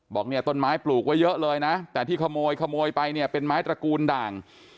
บอกเนี่ยต้นไม้ปลูกไว้เยอะเลยนะแต่ที่ขโมยขโมยไปเนี่ยเป็นไม้ตระกูลด่าง